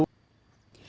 tỉnh lào cai